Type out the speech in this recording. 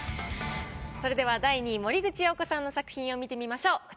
それでは第２位森口瑤子さんの作品を見てみましょう。